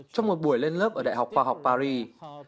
trong một buổi lên lớp ở đại học khoa học paris